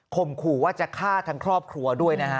ข่มขูว่าจะฆ่าทั้งครอบครัวด้วย